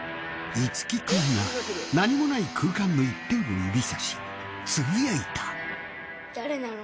樹君が何もない空間の一点を指さしつぶやいた。